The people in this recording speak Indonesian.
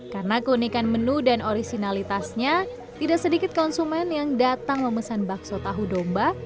karena keunikan menu dan orisinalitasnya tidak sedikit konsumen yang datang memesan bakso tahu domba